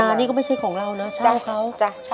นานี่ก็ไม่ใช่ของเรานะชาวเขาทำครับ